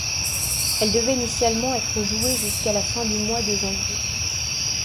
Elle devait initialement être joué jusqu'à la fin du mois de janvier.